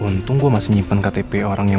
untung gue masih nyimpen ktp orang yang